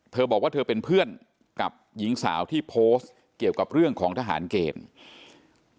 เธอบอกว่าเธอเป็นเพื่อนกับหญิงสาวที่โพสต์เกี่ยวกับเรื่องของทหารเกณฑ์